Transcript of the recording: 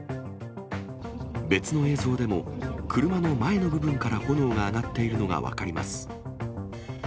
別の映像でも、車の前の部分から炎が上がっているのが分かります。